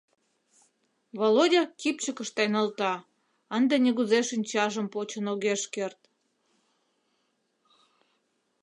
Володя кӱпчыкыш тайналта, ынде нигузе шинчажым почын огеш керт.